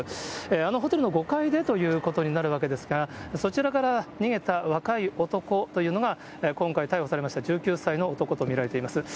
あのホテルの５階でということになるわけですが、そちらから逃げた若い男というのが、今回逮捕されました１９歳の男と見られています。